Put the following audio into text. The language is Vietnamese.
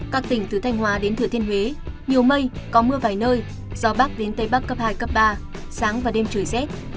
các tỉnh từ thanh hóa đến thừa thiên huế nhiều mây có mưa vài nơi gió bắc đến tây bắc cấp hai cấp ba sáng và đêm trời rét